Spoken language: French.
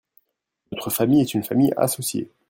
Notre famille est une famille associé.